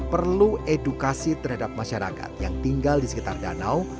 perlu edukasi terhadap masyarakat yang tinggal di sekitar danau